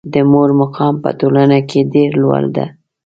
د مور مقام په ټولنه کې ډېر لوړ ده.